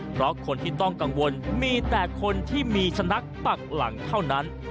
เพราะคนที่ต้องกังวลมีแต่คนที่มีสุนัขปักหลังเท่านั้น